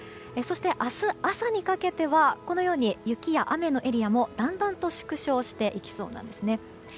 そして、明日朝にかけては雪や雨のエリアもだんだんと縮小していきそうなんですね。